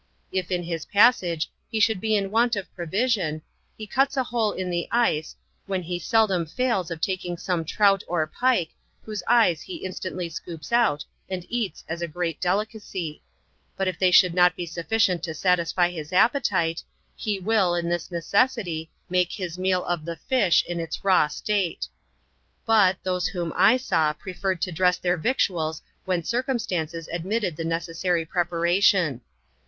If in his passage he should be in want of provision, he cuts a hole in the ice, when he seldom fails of taking some trout or pike, whose eyes he instantly scoops out, and eats as a great delicacy; but if they should not be sufficient to satisfy his appetite, he will, in this necesity, make his meal of the fish in its raw state; but, those whom I saw, preferred to dress their victuals when circumstances admitted the neces sary preparation.